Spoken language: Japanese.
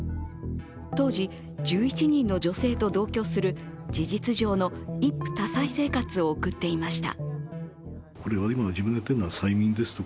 当時、１１人の女性と同居する事実上の一夫多妻生活を送っていました。